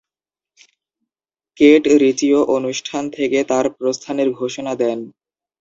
Kate রিচিও অনুষ্ঠান থেকে তার প্রস্থানের ঘোষণা দেন।